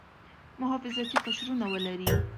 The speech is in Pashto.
محافظتي قشرونه ولري.